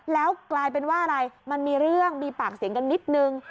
แล้วกลายเป็นว่าอะไรมันมีเรื่องมีปากเสียงกันนิดนึง